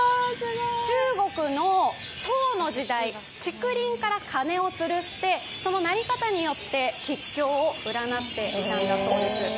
中国の唐の時代、竹林から鐘をつるしてその鳴り方によって吉凶を占っていたそうなんです。